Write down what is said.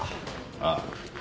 ああ。